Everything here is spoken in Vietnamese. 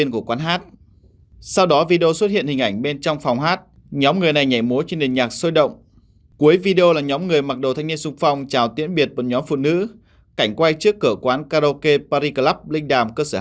cảnh quay trước cửa quán karaoke party club linh đàm cơ sở hai